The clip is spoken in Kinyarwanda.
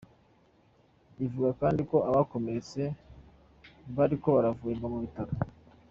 Rivuga kandi ko abakomeretse bariko baravurigwa mu bitaro.